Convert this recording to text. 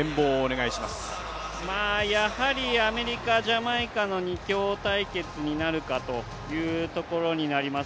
アメリカ、ジャマイカの２強対決になるかというところになります。